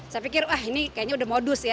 saya pikir wah ini kayaknya udah modus ya